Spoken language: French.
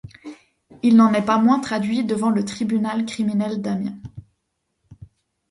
Il n'en est pas moins traduit devant le tribunal criminel d'Amiens.